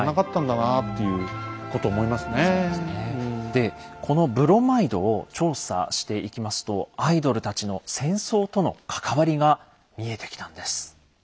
でこのブロマイドを調査していきますとアイドルたちの戦争との関わりが見えてきたんです。